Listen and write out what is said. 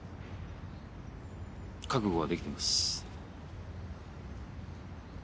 覚悟はできています。